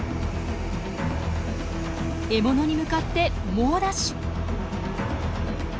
獲物に向かって猛ダッシュ。